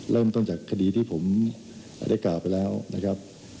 เริ่มต้นจากคดีที่ผมได้กล่าวไปแล้วนะครับ